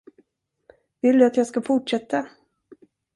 Vill du att jag ska fortsätta?